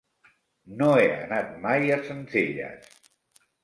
No he anat mai a Sencelles.